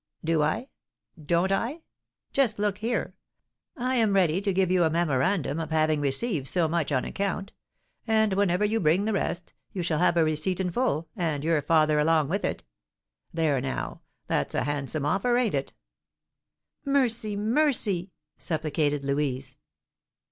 "Do I? Don't I? Just look here; I am ready to give you a memorandum of having received so much on account; and, whenever you bring the rest, you shall have a receipt in full, and your father along with it. There, now, that's a handsome offer, ain't it?" "Mercy! mercy!" supplicated Louise.